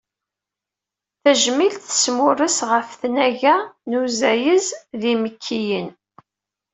Tajmilt tesmurres ɣef tnaga n uzayez d yimekkiyen.